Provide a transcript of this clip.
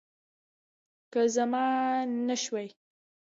که زما نه شوی